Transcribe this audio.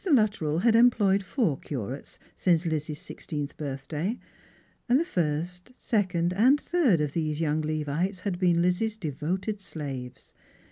Luttrell had employed four curates since Lizzie's six teenth birthday ; and the first, second, and third of these young Levites had been Lizzie's devoted slaves.